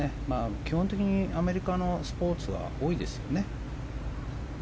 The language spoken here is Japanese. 基本的に、アメリカのスポーツは多いですよね。